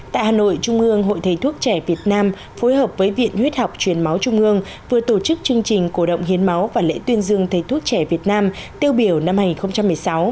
tại hà nội trung ương hội thầy thuốc trẻ việt nam phối hợp với viện huyết học truyền máu trung ương vừa tổ chức chương trình cổ động hiến máu và lễ tuyên dương thầy thuốc trẻ việt nam tiêu biểu năm hai nghìn một mươi sáu